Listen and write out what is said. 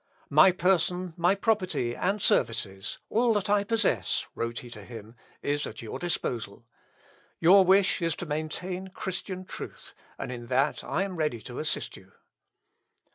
"My person, my property, and services, all that I possess," wrote he to him, "is at your disposal. Your wish is to maintain Christian truth, and in that I am ready to assist you."